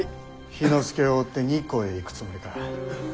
氷ノ介を追って日光へ行くつもりか。